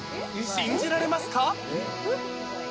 信じられますか？